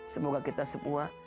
semoga kita semua